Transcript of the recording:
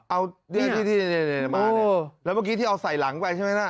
แล้วเมื่อกี้พี่ที่เอาใส่หลังไปใช่ไหมะ